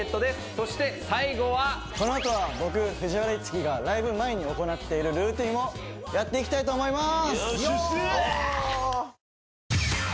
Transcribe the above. そして最後はこのあとは僕藤原樹がライブ前に行っているルーティンをやっていきたいと思います